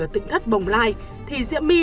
ở tỉnh thất bồng lai thì diễm my